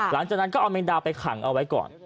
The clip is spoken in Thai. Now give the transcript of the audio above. หลังจากนั้นก็เอาแมงดาไปขังเอาไว้ก่อน